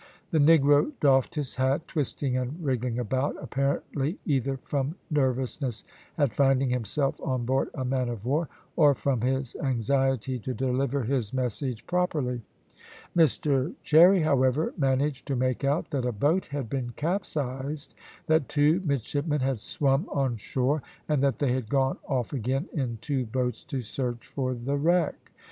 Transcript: The negro doffed his hat, twisting and wriggling about, apparently either from nervousness at finding himself on board a man of war, or from his anxiety to deliver his message properly. Mr Cherry, however, managed to make out that a boat had been capsized, that two midshipmen had swum on shore, and that they had gone off again in two boats to search for the wreck.